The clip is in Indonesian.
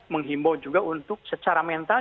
menghimbau juga untuk secara mental